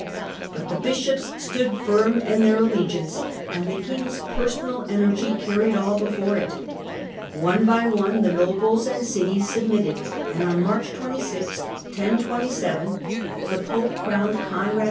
But the bishops stood firm in their allegiance, and the king's personal energy carried all before it. One by one the nobles and cities submitted, and on March 2G, 1027 the Pope crowned Conrad 11.